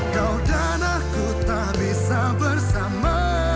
kau dan aku tak bisa bersama